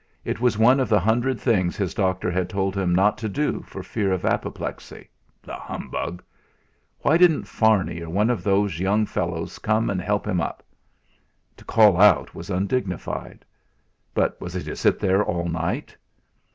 It was one of the hundred things his doctor had told him not to do for fear of apoplexy, the humbug! Why didn't Farney or one of those young fellows come and help him up? To call out was undignified. But was he to sit there all night?